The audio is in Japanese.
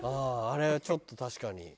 あれはちょっと確かに。